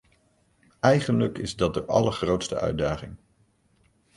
Eigenlijk is dat de allergrootste uitdaging.